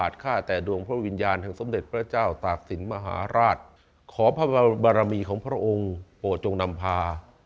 ขอแต่ดวงพระวิญญาณแห่งสมเด็จพระเจ้าตากศิลปมหาราชขอพระบรมีของพระองค์โปรดจงนำพา